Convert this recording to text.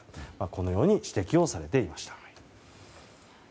このように指摘をされていました。